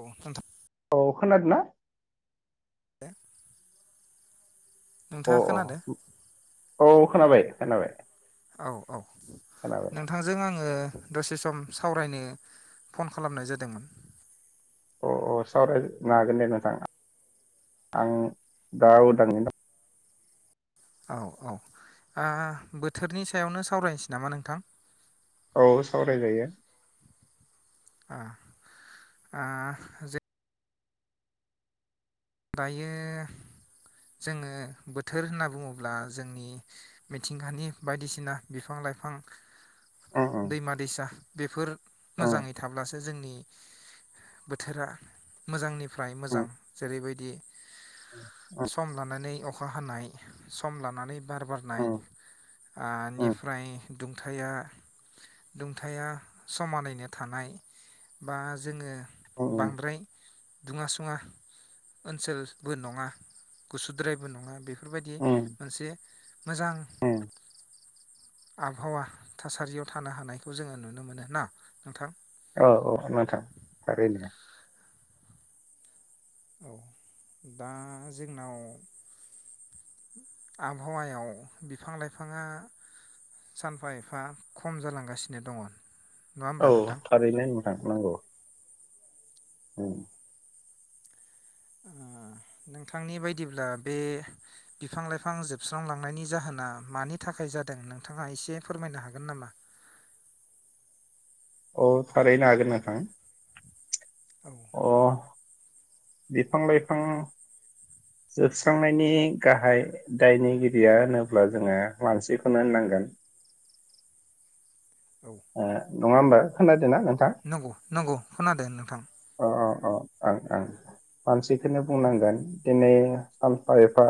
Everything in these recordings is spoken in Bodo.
औ नोंथां औ खोनादों ना? अ नोंथाङा अ खोनादो? औ खोनाबाय खोनाबाय। औ औ खोनाबाय नोंथांजों आङो दसे सम सावरायनो फन खालामनाय जादोंमोन। अ अ सावरायनो हागोन दे नोंथां आं दा उदांनि औ औ आ बोथोरनि सायावनो सावरायनोसै नामा नोंथां? औ सावरायजायो। आ आ जो दायो जोङो बोथोर होनना बुङोब्ला जोंनि मिथिंगानि बायदिसिना बिफां -लाइफां उम दैमा- दैसा बेफोर उम मोजाङै थाब्लासो जोंनि बोथोरा मोजांनि फ्राय मोजां उम जेरैबायदि दि उम सम लानानै अखा हानाय सम लानानै बार बारनाय उम ओ उम निफ्राय दुंथाया दुंथाया समानैनो थानाय बा जोङो उम बांद्राय दुङा सुङा ओनसोलबो नङा गुसुद्रायबो नङा बे बेफोरबायदि उम मोनसे मोजां उम आबहावा थासारियाव थानो हानायखौ जोङो नुनो मोनो ना नोंथां औ औ नोंथां थारैनो औ दा जोंनाव आबहावायाव बिफां लाइफाङा सानफा एफा खम जालांगासिनो दङ नङा होमबा औ नोंथां थारैनो नोंथां नंगौ उम नोंथांनि बायदिब्ला बे बिफां लाइफां जोबस्रांलांनायनि जाहोना मानि थाखाय जादों नोंथाङा एसे फोरमायनो हागोन नामा? अ थारैनो हागोन नोंथां। औ अ बिफां लाइफां जोबस्रांनायनि गाहाय दायनिगिरिया होनोब्ला जोङो मानसिखौनो होननांगोन। औ ओ नङा होमबा खोनादों। नंगौ नंगौ खोनादों नोंथां। अ अ ओं ओं मानसिखौनो बुंनांगोन दिनै सानफा एफा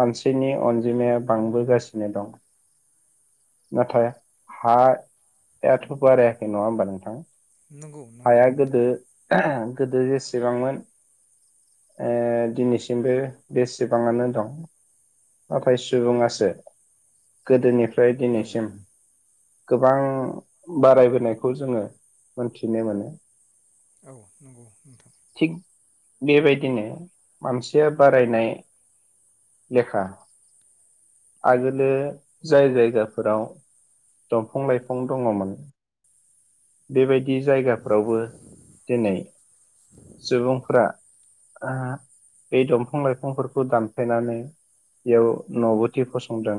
मानसिनि अनजिमाया बांबोगासिनो दं। नाथाय हायाथ' बारायाखै नङा होमबा नोंथां? नंगौ नंगौ नोंथां हायागोदो [unintelligible] गोदो जेसेबांमोन ओ दिनैसिमबो बे बेसेबां आनो दं नाथाय सुबुङासो गोदोनिफ्राय फ्राय औ दिनैसिम गोबां बारायबोनायखौ जोङो थिनाय मोनो औ नंगौ नोंथां थिग बेबायदिनो मानसिया बारायनाय लेखा आगोलो जाय जायगाफोराव दंफां लाइफां दङमोन। बेबायदि जायगाफ्रावबो दिनै सुबुंफ्रा ओ बे दंफां लाइफांफोरखौ दानफ्लायनानै बेयाव न' बथि फसंदों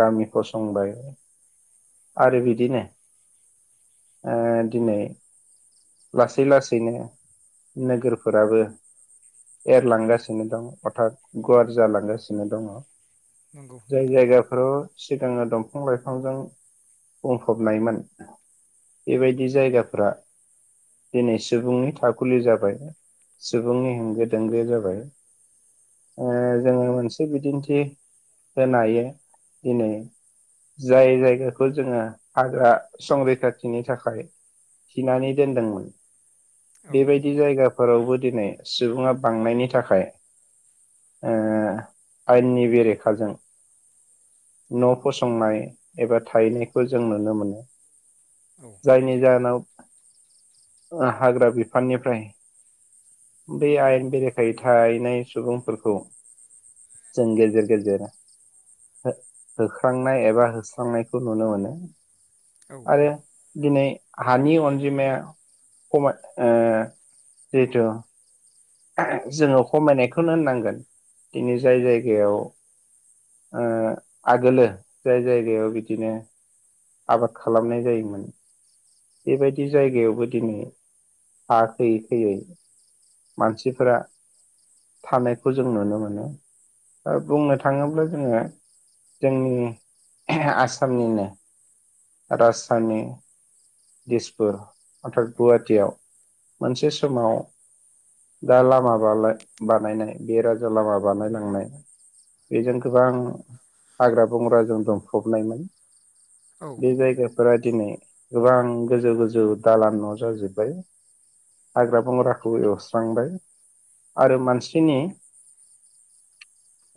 गामि फसंबाय आरो बिदिनो ओ दिनै लासै लासैनो नोगोरफोराबो एरलांगासिनो दं अर्थात गुवार जालांगासिनो दङ। नंगौ जाय नोंथां जायगाफोराव सिगाङो दंफां लाइफांजों बुंफबनायमोन बेबायदि जायगाफ्रा दिनै सुबुंनि थाखुलि जाबाय सुबुंनि हेंगो दोंगो जाबाय ओ जोङो मोनसे बिदिन्थि होनो हायो दिनै जाय जायगाखौ जोङो हाग्रा संरैखाथिनि थाखाय थिनानै देनदोंमोन औ बेबायदि जायगा फोरावबो दिनै सुबुङा बांनायनि थाखाय ओ आयेननि बेरेखाजों न' फसंनाय एबा थाहैनायखौ जों नुनो मोनो। औ जायनि जाहोनाव हाग्रा बिफाननिफ्राय बे आयेन बेरेखायै थाहैनाय सुबुंफोरखौ जों गेजेर गेजेर होख्रांनाय एबा होस्रांनायखौ नुनो मोनो औ आरो दिनै हानि अनजिमाया खमाय ओ जिहथु जोङो खमायनायखौनो होननांगोन दिनै जाय जायगायाव ओ आगोलो जाय जायगायाव बिदिनो आबाद खालामनाय जायोमोन बेबायदि जायगायावबो दिनै हा खोयै खोयै मानसिफोरा थानायखौ जों नुनो मोनो दा बुंनो थाङोब्ला जोङो जोंनि आसामनिनो राजधानि डिसपुर अर्थत गुवाहाटियाव मोनसे समाव दा लामा बानायनाय बे राजा लामा बानायलांनाय बेजों गोबां हाग्रा बंग्राजों दुंफबनायमोन औ बे जायगा फोरा दिनै गोबां गोजौ गोजौ दालान न' जाजोब्बाय हाग्रा बंग्राखौ एवस्रांबाय आरो मानसिनि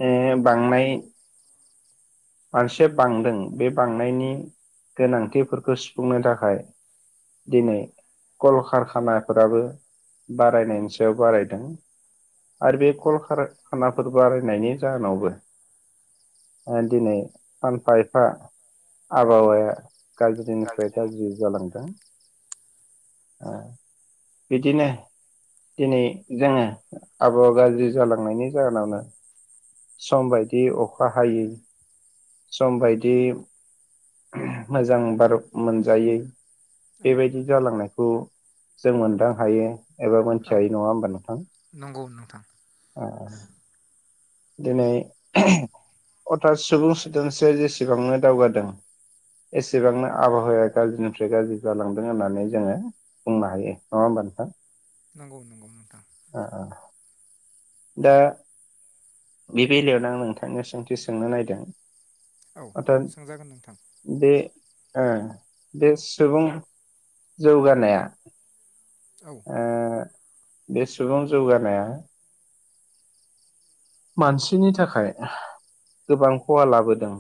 ओ बांनाय मानसि बांदों बे बांनायनि गोनांथिफोरखौ सुफुंनो थाखाय दिनै कल कारखानाफोराबो बारायनायनि सायाव बारायदों आरो बे कल कारखानाफोर बारायनायनि जाहोनावबो दिनै सानफा एफा आबहावाया गाज्रिनिफ्राय गाज्रि जालांदों बिदिनो दिनै जोङो आबहावा गाज्रि जालांनायनि जाहोनावनो सम बायदि अखा हायै सम बायदि मोजां बार मोनजायै औ बेबायदि जालांनायखौ जों मोनदां हायो एबा मोनथि जायो नङा होमबा नोंथां थां ओ दिनै अर्थात सुबुं सोदोमस्रिया जेसेबांनो दावगादों एसेबांनो आबहावाया गाज्रिनिफ्राय गाज्रि जालांदों होननानै जोङो बुंनो हायो नङा होमबा नोंथां नंगौ नंगौ नोंथां ओ दा बे बेलायावनो आं नोंथांनो सोंथि सोंनो नायदों औ सोंजागोन नोंथां [unintelligible] बे ओ बे सुबुं जौगानाया औ आ बे सुबुं जौगानाया मानसिनि थाखाय गोबां खहा लाबोदों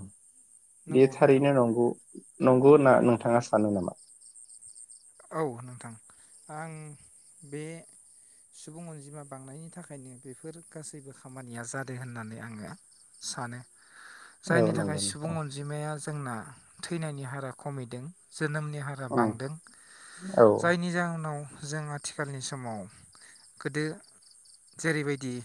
नंगौ बे नोंथां थारैनो नंगौ नंगौ होनना नोंथाङा सानो नामा औ नोंथां आं बे सुबुं अनजिमा बांनायनि थाखायनो बेफोर गासैबो खामानिया जादों होननानै आङो सानो औ जायनि थाखाय नंगौ सुबुं नोंथां अनजिमाया जोंना थैनायनि हारा खमिदों जोनोमनि हारा उम बांदों औ उनाव जों आथिखालनि समाव गोदो जेरैबायदि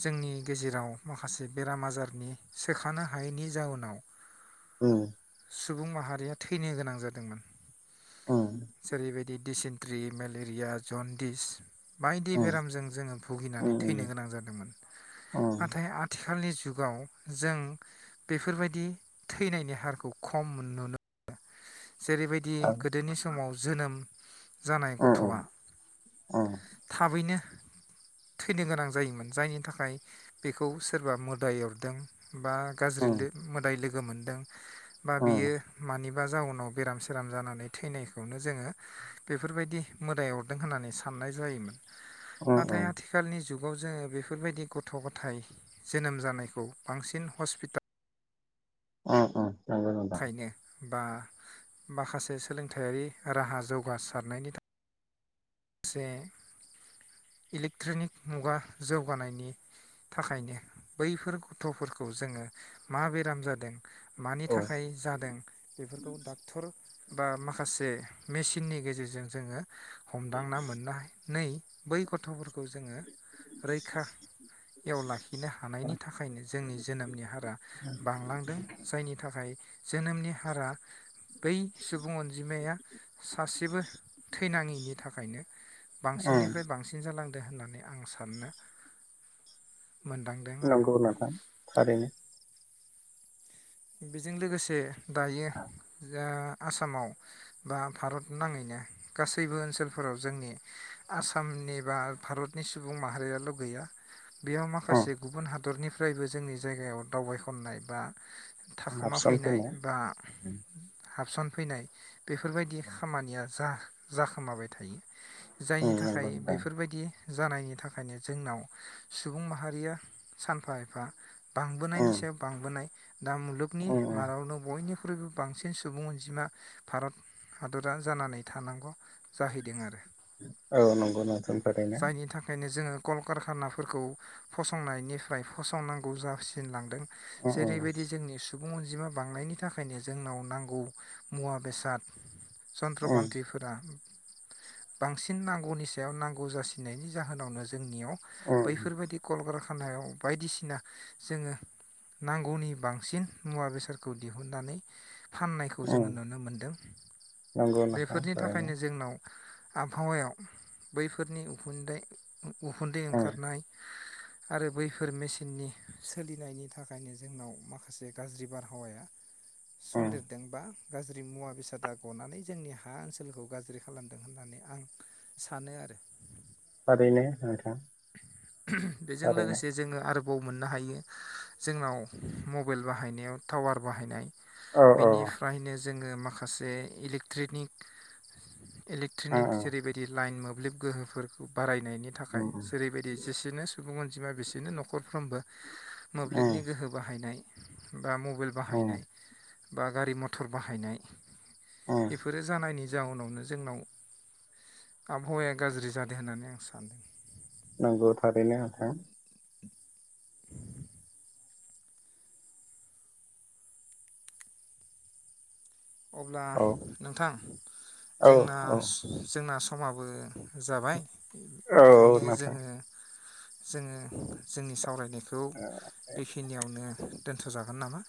जोंनि गेजेराव माखासे बेराम आजारनि सोखानो हायैनि जाउनाव औ सुबुं माहारिया थैनो गोनां जादोंमोन उम जेरैबायदि दिडिसेन्ट्रि मेलेरिया जनदिस बायदि उम उम बेरामजों जोङो भुगिनानै थैनो गोनां जादोंमोन उम नाथाय आथि आथिखालनि जुगाव जों बेफोरबायदि थैनायनि हारखौ खम नुनो मोनो जेरैबायदि उम गोदोनि सम जोनोम जानाय उम गथ'आ उम थाबैनो थैनो गोनां जायोमोन जायनि थाखाय बेखौ सोरबा मोदाय अरदों। बा गाज्रि उम मोदाय लोगो लोगो मोनदों। बा बियो मानि बा जाउनाव बेराम सेराम जानानै थैनाय बे खौनो जोङो बेफोरबायदि मोदाय अरदों होननानै साननाय जायोमोन। उम नाथाय आथिखालनि जुग जुगाव जोङो बेफोरबायदि गथ' गथाय जोनोम जानायखौ बांसिन हस्पिटाल। अ अ। नंगौ नोंथां। थाखायनो बा माखासे सोलोंथायारि राहा जौगासारनायनि थाखाय माखासे इलेक्ट्रनिक मुगा जौगानायनि थाखायनो बैफोर गथ'फोरखौ जोङो मा बेराम जादों। मानि औ उम थाखाय जादों बा माखासे मेसिननि गेजेरजों जोङो। हमदांना मोननो हायो। नै बै गथ' खौ जोङो रैखायाव लाखिनो हानायनि थाखायनो जोंनि जोनोमनि हारा बांलांदों जायनि थाखाय। जोनोमनि हारा बै सुबुं अनजिमाया सासेबो थैनाङिनि थाखायनो बांसिननिफ्राय बांसिन जा सोलांदो होननानै आं साननो। मोनदांदों आरो नंगौ नोंथां थारैनो। बेजों लोगोसे दायो जा आसामाव बा भारत नाङैनो गासैबो ओनसोलफोराव जोंनि आसामनि बा भारतनि सुबुं माहारियाल' गैया। बेयाव माखासे उम गुबुन हाद रनिफ्रायबो जोंनि जायगायाव दावबायहैनाय बा थाखोमा फैनाय बा उम हाबसनफैनाय। बेफोरबायदि खामानिया जा जाखोमाबाय थायो। जायनि थाखाय नंगौ नोंथां बेफोर बायदि जानायनि थाखायनो जोंनाव सुबुं माहारिया सानफा एफा बांबोनायनि उम सायाव बांबोनाय दा मुलुगनि उम उम मादावनो बयनिबो ख्रुइबो बांसिन सुबुं अनजिमा भारत हादरा जानानै थानांगौ। जाहैदों आरो औ नंगौ नोंथां थारैनो जायनि थाखायनो जोङो कलकारखानाफोरखौ फसंनायनिफ्राय फसंनांगौ जासिनलांदों। अ अ जेरैबायदि जोंनि सुबुं अनजिमा बांनायनि थाखायनो जोंनाव नांगौ मुवा बेसाद। उम चन्त्रपान्थिफोरा बांसिन नांगौनि सायाव नांगौ जासिनायनि जाहोनावनो जोंनियाव उम बैफोरबायदि कलकार याव बायदिसिना जोङो नांगौनि बांसिन मुवा बेसादखौ दिहुनन्नानै फाननायखौ उम जोङो नुनो मोनदों नंगौ नोंथां बेफोरनि थारैनो थाखायनो जोंनाव आबहावायाव बैफोरनि उखुन्दै उखुन्दै उम ओंखारनाय आरो बैफोर मेसिननि सोलिनायनि थाखायनो जोंनाव माखासे गाज्रि बारहावाया उम सन्देरदों बा गाज्रि मुवा बेसादा गनानै जोंनि हा ओनसोलखौ गाज्रि खालामदों होननानै आं सानो आरो थारैनो बेजों थारैनो लोगोसे जोङो आरो बाव मोननो हायो जोंनाव मबाइल बाहायनायाव टावार बाहायनाय। औ औ बिनिफ्रायनो जोङो माखासे इलेक्ट्रनिक उम इलेकट्रनिक उम जेरैबायदि लाइन मो मोब्लिब गोहोफोरखौ बाराय नायनि थाखाय बेबायदि जेसेनो सुबुं अनजिमा बिसोरनो नखरफ्रोमबो उम मोब्लिबनि गोहो बाहायो। यनाय बा मबेइल उम बाहायनाय। बा गारि मथर बाहायनाय उम बेफोरो जानायनि जाउनावनो जोंनाव आबहावाया गाज्रि जादों होननानै आं सान्दों। नांगौ थारैनो नोंथां अब्ला औ नोंथां औ जोंना जोंना समाबो जाबाय औ औ ओंखायनो नोंथां जोङो। जोङो जोंनि सावरायनायखौ। खौ बेखिनियावनो दोनथ'जागोन नामा?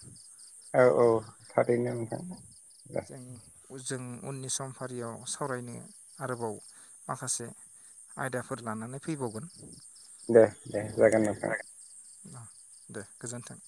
औ औ थारैनो नोंथां। दे जोंनि जों उननि सम फारियाव सावरायनो आरोबाव माखासे आयदाफोर लानानै फैबावगोन दे दे जागोन नोंथां। दे गोजोन्थों।